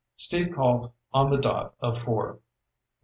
Steve called on the dot of four.